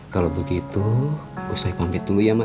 kalau begitu tuhan saya pamit dulu ya ma